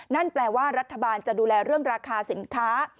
นั่นแปลว่ารัฐบาลจะดูแลเรื่องราคาสินค้า